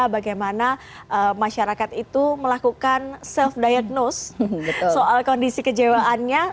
bagaimana masyarakat itu melakukan self diagnose soal kondisi kejiwaannya